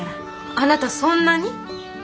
あなたそんなに？